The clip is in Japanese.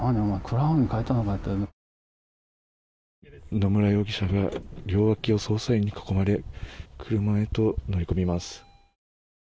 野村容疑者が両脇を捜査員に囲まれ車へと乗り込みます。